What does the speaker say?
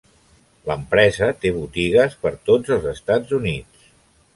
L'empresa té botigues per tots els Estats Units.